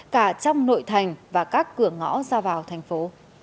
cả trong nội thành và các cửa ngõ ra vào thành phố